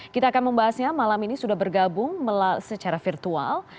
kita akan membahasnya malam ini sudah bergabung secara virtual